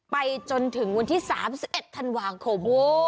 ไปจนถึงวันที่๓๑ธันวาคม